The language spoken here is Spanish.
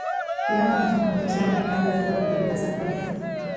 Era una persona muy sociable y gran bebedor de bebidas alcohólicas.